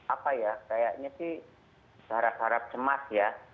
apa ya kayaknya sih harap harap cemas ya